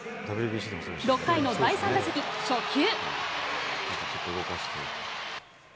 ６回の第３打席、初球。